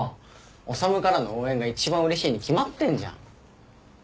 修からの応援が一番うれしいに決まってんじゃん。